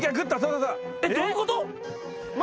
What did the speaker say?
えっどういうこと？